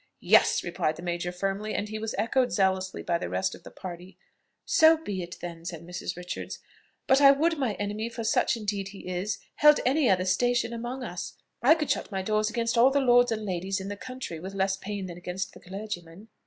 "Yes," replied the major firmly; and he was echoed zealously by the rest of the party. "So be it then," said Mrs. Richards. "But I would my enemy, for such indeed he is, held any other station among us. I could shut my doors against all the lords and ladies in the country with less pain than against the clergyman."